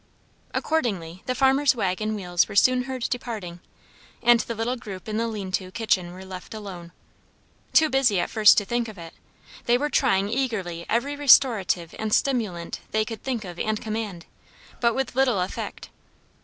Accordingly the farmer's waggon wheels were soon heard departing, and the little group in the lean to kitchen were left alone. Too busy at first to think of it, they were trying eagerly every restorative and stimulant they could think of and command; but with little effect.